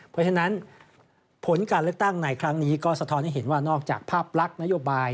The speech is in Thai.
เพราะฉะนั้นผลการเลือกตั้งในครั้งนี้ก็สะท้อนให้เห็นว่านอกจากภาพลักษณ์นโยบาย